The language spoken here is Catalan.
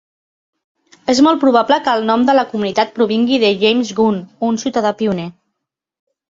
És molt probable que el nom de la comunitat provingui de James Gunn, un ciutadà pioner.